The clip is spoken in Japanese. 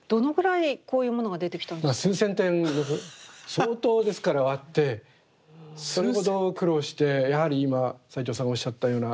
相当ですから割ってそれほど苦労してやはり今齊藤さんがおっしゃったような